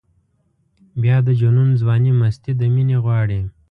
بیا د جنون ځواني مستي د مینې غواړي.